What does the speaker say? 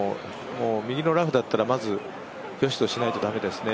右のラフだったらまずよしとしないと駄目ですね。